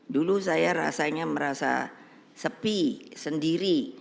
dulu saya rasanya merasa sepi sendiri